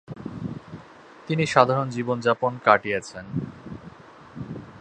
তিনি সাধারণ জীবন যাপন কাটিয়েছেন।